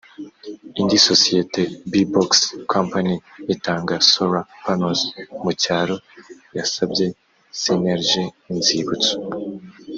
indi sosiyeti b boxx company itanga solar panels mu cyaro yasabye cnlg inzibutso